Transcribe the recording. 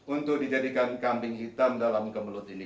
untuk dijadikan kambing hitam dalam kemelut ini